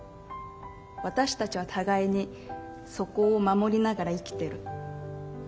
私たちは互いにそこを守りながら生きてる。